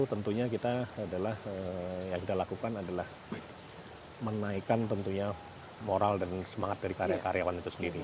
tentunya kita adalah yang kita lakukan adalah menaikkan tentunya moral dan semangat dari karya karyawan itu sendiri